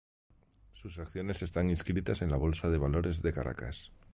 Sus acciones están inscritas en la Bolsa de Valores de Caracas.